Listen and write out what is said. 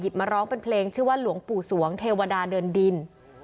มาร้องเป็นเพลงชื่อว่าหลวงปู่สวงเทวดาเดินดิน